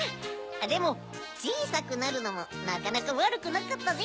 でもちいさくなるのもなかなかわるくなかったぜ。